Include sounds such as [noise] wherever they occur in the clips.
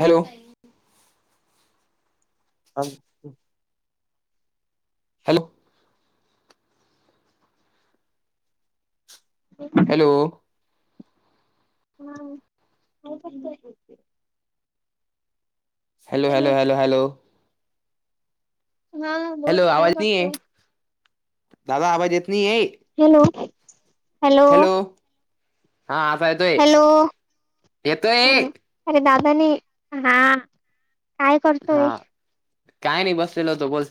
Hello! ह [unintelligible] hello. हम [unintelligible] hello. ह्म काय करताय [unintelligible] हॅलो हॅलो हॅलो हॅलो. ना बोल हॅलो काय आवाज नाहीये करतोय? दादा आवाज येत नाहीये. हॅलो हॅल हॅलो हा आता येतोय हॅलो येतोय. हम्म अरे दादानी हा काय हा करतोय काय नाही बसलेल होतो बोल.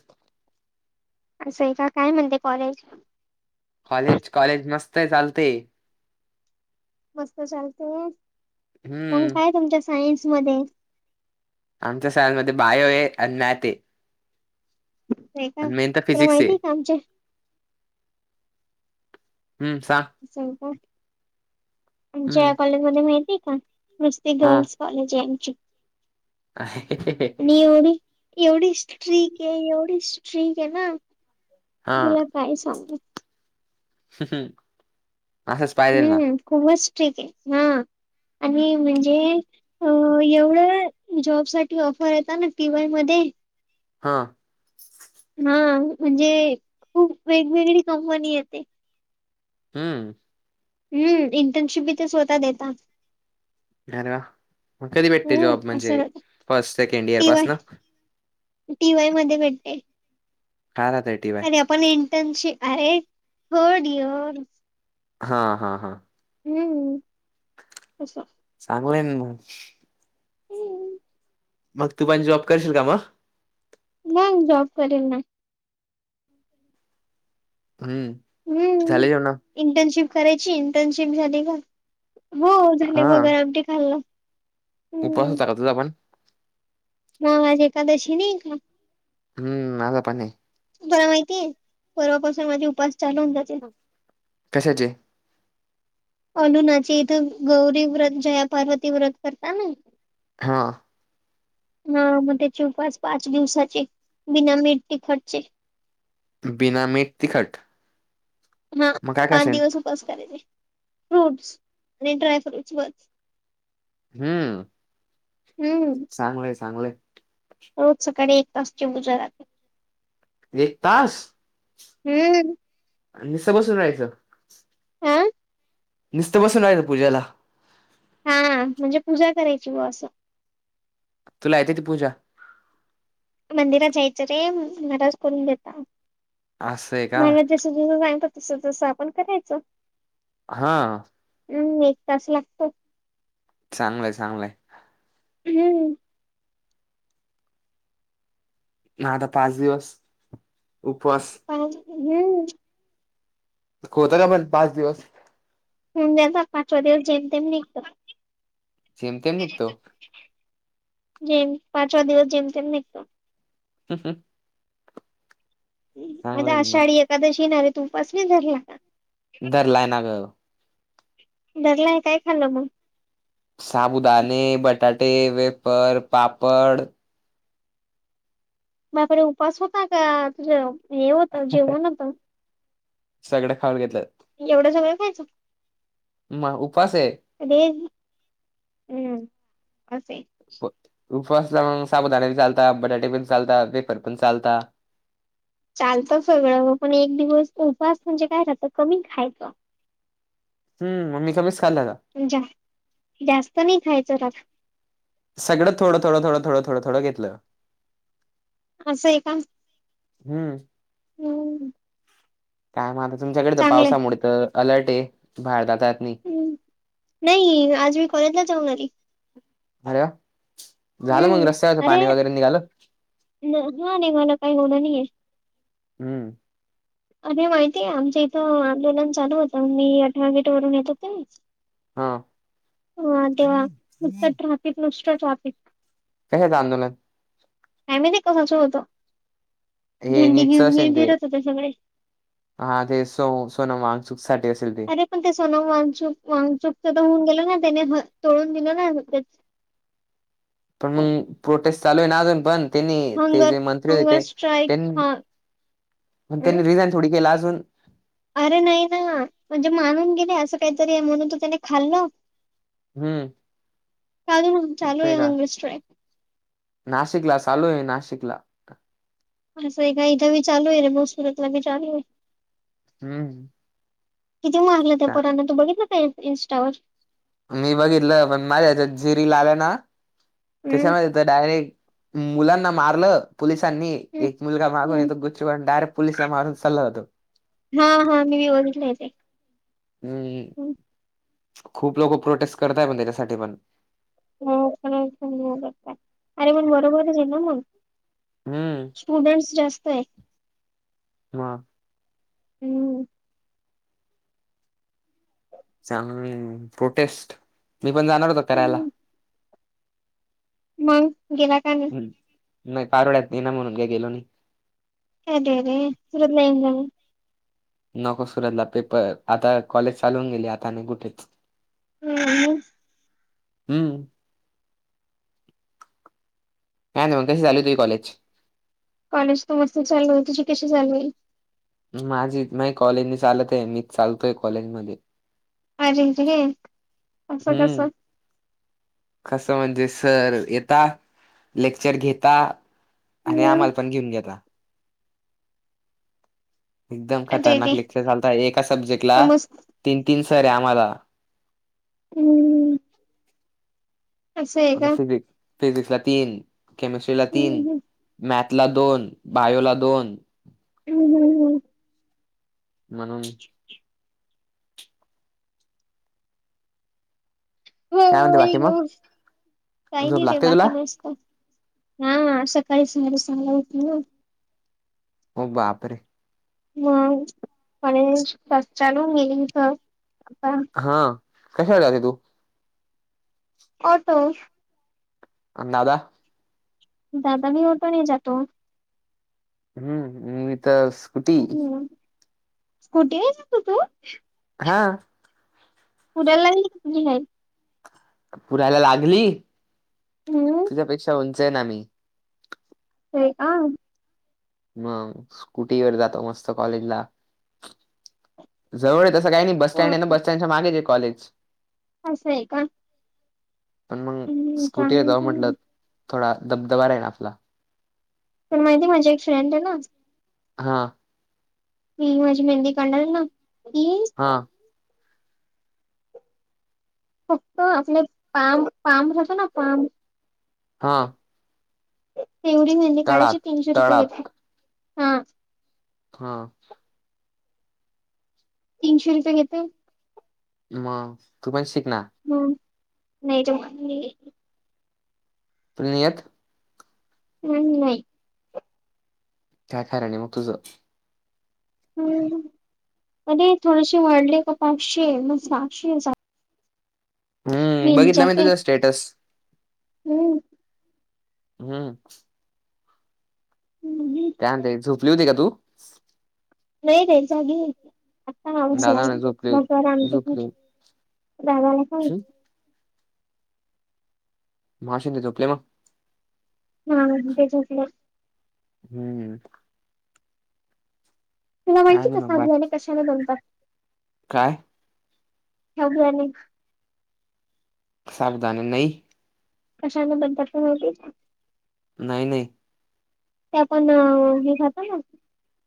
असं आहे का काय म्हणते कॉलेज? कॉलेज कॉलेज मस्त आहे चालतेय. मस्त चालते मग हम्म काय तुमच्या सायन्स मध्ये? आमच्या सायन्समध्ये बायो आहे आणि मॅत आहे. आहे का आणि मेनंत तुला फिजिक्स आहे माहितीय का आमच्या हम्म सा स का हम्म आमच्या कॉलेज मध्ये माहितीय का? नुस्ती हा गर्ल्स कॉलेज यांची आणि एवढी एवढी स्ट्रीक आहे एवढी स्ट्रीक आहे ना हा तुला काय सांगु? ह ह [unintelligible] हम्म खूपच स्ट्रिक आहे हा आणि म्हणजे अ एवढं जॉब साठी ऑफर यता ना टी वाय मध्ये हां. हा म्हणजे खूप वेगवेगळी कंपनी येते. हम्म. हम्म इंटर्नशिप बी ते स्वतः देता [unintelligible] कधी भेटते जॉब हम्म म्हणजे असं first second year T Y पासन टी वाय मध्ये भेटते. का राहताय टीव अरे आपण इंटर्नशि आरे थर्ड ईअर हा हा हा. हम असं. चांगलंय न मग. मग तू [unintelligible] जॉब करशील का मग? मग जॉब करीन ना हम हम्म चाले हो ना इंटर्नशिप करायची इंटर्नशिप झाली का हो झाली बघा आधी खाल्लं उपास होता का तुझा पण हो आज एकादशी नाई का हम माझा पण आहे. [unintelligible] तुम्हाला माहितीये परवापासून माझे उपास चालू होऊन जातील. कशाची अरुणाच्या इथं गौरी व्रत जया पार्वती व्रत करता नाय. हा.... हा मग त्याचे उपास पाच दिवसाचे बिनामिठ तिखटचे. बिनामिठ तिखट. हा मग काय पाच खाशील? दिवस उपास करायचे फ्रूटस आणि ड्रायफूटच बस. हम हम. हम. चांगल्या चांगल्या. रोज सकाळी एक तासची देवपूजा राहते. एक तास. हम आणि निस बस जायचं. हा निस्त बसून राहायचं पूजेला हा म्हणजे पूजा करायची हे असं. तुला येते ती पूजा. मंदिरात जायच रे महाराज करून देतात. असंय काय जसं जसं सांगतात तसं तसं आपण करायचं. [unintelligible] हा... हम एक तास लागतो. चांगल्या चांगल्या. हम ना आता पाच दिवस उपवास. पाच दिवस हम्म. [unintelligible] कुत्र्य भर पाच दिवस. ह ज्याात पाचवा दिवस जेम ते निघत. [unintelligible] जम ते निघतो. [unintelligible] जेन पाचवा दिवस जेमते निघतो. हा हा. [unintelligible] आज चांगलंय ना मग. आषाढी एखादशी नावेत उपास भी धरला का. धरलाय ना ग. धरलाय काय खाल्लं मग. साबुदाणे बटाटे वेपर पापड. बापरे उपास होता का तुझं हे जेवण होतं. सगळं खाऊन घेतलं. एवढं सगळं खायचं. मा उपास ये. अरे हम्म असेय. उफसला मग साबुदान चालतात, बटाटे पण चालतात वेफर पण चालतात. चालतं सगळं हो पण, एक दिवस उपास म्हणजे काय रात कमी खायचं. [inaudible] हम्म मग मी कमीच खाल्ला का. जा जास्त नाही खायचं रात. सगळं थोडं थोडं थोडं थोडं थोडं थोडं घेतलं. असेय का. हम्म. हम. काय मग आता, तुमच्याकडे तर पावसामुडे तर अलर्ट ये बाहेर जाता येत नई. हम नाही, आज मी कॉलेजला जाऊन आली. अरे वा, झालं मग हम्म रस्त्यावरचं पाणी वेगैरे निघालं. हां निघालं काही एवढं नई ये. अम. अरे माहितीय आमच्या इथं आंदोलन चालू होतं, मी अठरा गेट वरून येत होते. हा. ह तेव्हा नुसतं ट्राफिक नुसतं ट्राफिक. कशाचं आंदोलन. काय माहिती कशाचं होतं, हे झेंडी नीटचं घेऊन तेंन असेल ते. फिरत होते सगळे. हा ते सो सोनम वांगचुक साठी असेल. ते पण ते सोनम वाचूक वांगचुक होऊन गेल ना, त्याने तोळून दिलं ना. पण मग प्रोटेस्ट चालू आहे ना अजून पण. त्यांनी ते हंगर जे मंत्री होते हंगर ते, स्ट्राईक तेन हा पण त्यांनी हं? रीजायन. थोडी केला अजून. अरे नाही ना म्हणजे, मानून गेले असं काहीतरी म्हणून तू त्याने खाल्लं. हम्म. चालू मंग चालू असं हे आहे का हंगर स्ट्राइक. नाशिकला चालू ये नाशिकला. आमच्या हे काय इथं भी चालू हे रे भाऊ सुरतला बी चालू ये. हम्म. किती मारलं त्या पोरांना, तू बघितलं का इ इन्स्टावर. मी बघितलं पण, माझ्याच्या झि रील आलना हम्म त्यांच्यामध्ये तर डायरेक्ट. मुलांना मारलं पोलिसांनी. एक मुलगा मागून हम्म येतो. बुची मारून डायरेक्ट पुलीस ला मारून चाल्ला जातो. हा हा मी बघितलंय ते. हम्म खूप लोकं प्रोटेस्ट करताय, पण त्यांच्यासाठी पण. [unintelligible] अरे पण बरोबरच हे ना मंग. हम्म स्टुडंट्स जास्त ये. हा. हम. चांगलं हे मंग प्रोटेस्ट, मी पण जाणार होतो करायला. मगं गेला का नाही. नाही कारोळ्यात नाही ना, म्हणून काय गेलो नाही. अरेरे [unintelligible] नको सुरतला पेपर, आता कॉलेज चालू होवून गेले आता नाही कुठेच. [unintelligible] हम्म. काय नाय मग कसे चालू ये तुझे कॉलेज. कॉलेज तर मस्त चालूय, तुझी कशी चालू ये. माझी नाही कॉलेजी चालत आहे, मीच चालतोय कॉलेज मध्ये. [unintelligible] असं हम्म कसं. कसं म्हणजे, सर येता लेक्चर घेता. आणि हम्म आम्हाला पण घेऊन घेता. एकदम अरे खतरनाक रे लेक्चर झालतं, एका सब्जेक्ट ला समज तीन तीन सर आहे आम्हाला. हम्म. असं आहे का आता फिजिक फिजिक्स ला तीन. केमिस्ट्रीला तीन हम्म मॅथ ला दोन बायोला दोन. हम हम. म्हणून. [inaudible] हो काय म्हणते आई बाकी मग गं, काय झोप नाही रे लागते तुला बाकी मस्तं. हा सकाळी साडे सहाला उठले. हो बापरे. मग कॉलेज कसं चालू आहे नेमकं आता. हा कशाला जाते तू. ऑटो. अन दादा. दादा बी ऑटो ने जातो. हम्म मी तर स. स्कुटी युज करतो तू. हां. पुरायला लागली की [unintelligible] नाही. पुरायला लागली, हम्म तुज्यापेक्षा उंच आए ना मी. होय का. मंग स्कुटीवर जातो, मस्त कॉलेज ला. जवळ ए तसं काय नाही, बस स्टॅन्ड ए ना का बस स्टॅन्डच्या मागेच आहे कॉलेज. असंय का. पन मंग हम्म स्कुटी वर चांगलं जाव म्हटलं, चांगलं थोडा दबदबा राईन आपला. पन माहितीये का, माझी एक फ्रेंड आहे ना. हा. ती माझी मेंदी काडणारे ना ती. हा फक्त आपले पाम पाम राहत ना पाम. हां. तेवडी मेंहदी काडायची तळात तीनशे रुपये घेते तळात हां. हा. तीनशे रुपये घेतो. मग तू पण शिक ना. हम्म [unintelligible] तुला नाही येत. नाही नाही. काय खरं नाही मग तुजं. अरे थोडेसे वाढले का पाचशे मग साहाशे, सात हम्म मी बघितलं विचारते तुझं स्टेटस हम्म. ह्म. [unintelligible] झोपली होती का तू? नाहीरे जागी आहे. दादा म्हणे झोपले झोपले हं [unintelligible] मघाशी मी झोपलेलो. होय त्याच्यातले हम्मं. तुला काय माहिती का नाही साबूदाणे कशाने बनतात? का? साबुदाणे. साबूदाने नाही कशाने दगदग [unintelligible] नाही नाही. ते आपण हे खातो ना,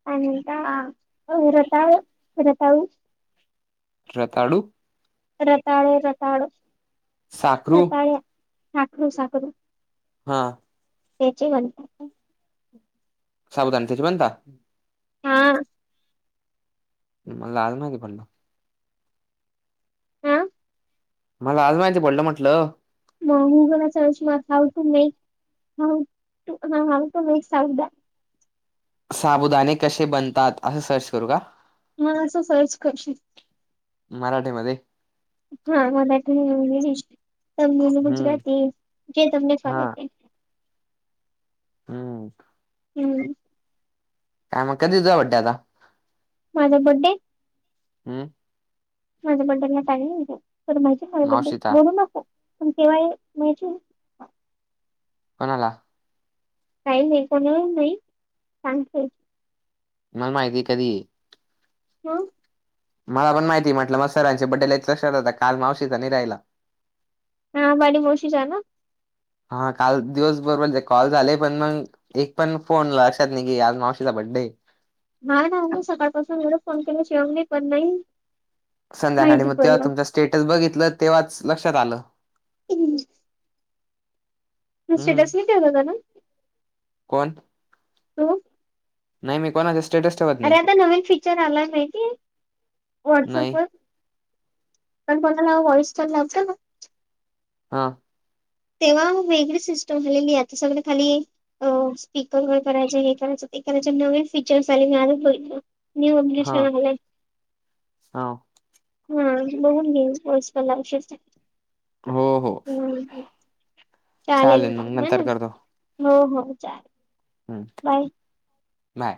काय म्हणतात रताळे र [unintelligible] रताळू रताळं रताळं, साखरू रताळ्या साखरू साखरू हा [unintelligible] साबुदाणे त्याचे बनता होय. मला आज माहिती पडलं. हा मला आज माहिती पडलं म्हटलं. मग गुगलला सर्च मार how to make, [unintelligible] how to make sabudana? साबुदाणे कसे बनतात, असं सर्च करू का? हो असं सर्च करशील. मराठीमध्ये. होय मराठी, इंग्लिश, तमिल, हम्म गुजराती जे तुला हा चालेल ते. हां हंम हा म कधी तुझा बर्थडे आता. माझा बड्डे. हंम. माझ्या बड्डेला टाइम आहे, तर माझा आहे बड्डे मावशीचा बोलू नको. पण केव्हा आहे माहीती आहे. कोणाला. [unintelligible] मला माहितीये कधी आहे. हो मला पण माहिती म्हटलं, मग सरांचा बड्डे एक लक्षात होता, काल मावशीचा नाही राहिला. हो बायडी मावशीचा हायना. हा काल दिवसभर म्हणजे कॉल झाले, पण मग एक पण फोन लक्षात नाही की, आज मावशीचा बड्डे ये. नाही नाही सकाळ पासून येवढे फोन केले, शिवम ने कोण नाही. संध्याकाळी माहिती मग तेव्हा पडलं तुमच स्टेटस बघितलं, तेव्हाच लक्षात आलं. ह. मी हम्म स्टेटस नाही ठेवलेला ना. कोण? तु. नाही मी कोणाचे स्टेटस ठेवत अरे नाही आता नवीन फीचर आलाय, माहितीये व्हाट्सअप नाही वर. आपण कोणाला व्हॉइस कॉल लावतो ना. हां. तेव्हा वेगळी सिस्टम झालेली ये, आता सगळी खाली ये. अ स्पीकर वगैरे करायच हे करायचं ते करायचे, नवे फीचर्स आलेत मी आजच बघितलो. न्यू हा अग्लीशन आले. हा. हा बघून घे, व्हॉइस कॉल लावशील तर. हो हो हम चालेल मग हेन. हो हो चालेल. हम. काय.